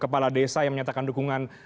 kepala desa yang menyatakan dukungan